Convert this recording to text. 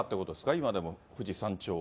今でも、富士山頂は。